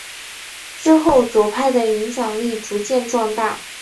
之后左派的影响力逐渐壮大。